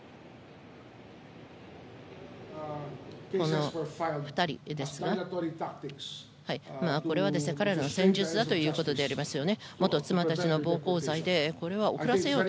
この２人ですが、彼らの戦術だということでありますね。